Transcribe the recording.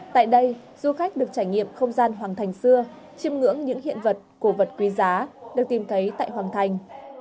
tại đây du khách được trải nghiệm không gian hoàng thành xưa chiêm ngưỡng những hiện vật cổ vật quý giá được tìm thấy tại hoàng thành